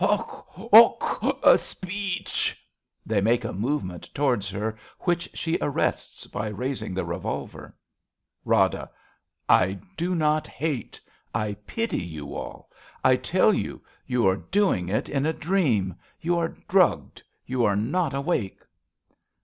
Hoch ! Hoch ! A speech ! 59 RADA [They tnake a movement towards her, which she arrests by raising the revolver.) Rada. I do not hate ! I pity you all. I tell you, you are doing it in a dream. You are drugged. You are not awake.